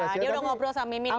dia udah ngobrol sama mimin ya